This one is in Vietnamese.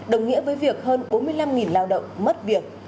đồng nghĩa với việc hơn bốn mươi năm lao động mất việc